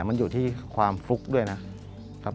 มันอยู่ที่ความฟลุกด้วยนะครับ